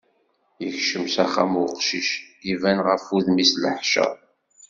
Yekcem s axxam uqcic, iban ɣef wudem-is leḥcer.